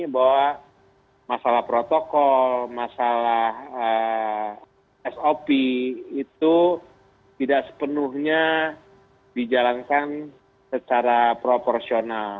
bahwa masalah protokol masalah sop itu tidak sepenuhnya dijalankan secara proporsional